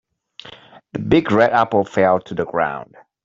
The big red apple fell to the ground.